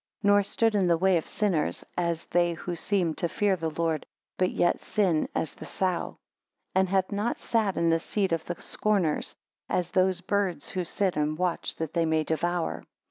13 Nor stood in the way of sinners, as they who seem to fear the Lord, but yet sin, as the sow. 14 And hath not sat in the seat of the scorners; as those birds who sit and watch that they may devour.